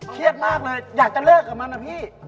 เครียดมากเลยอยากจะเลิกกับมันนะพี่